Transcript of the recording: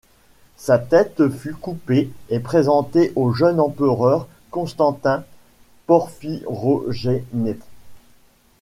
Sa tête fut coupée et présentée au jeune empereur Constantin Porphyrogénète.